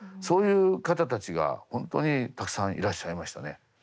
そういう方たちが本当にたくさんいらっしゃいましたね。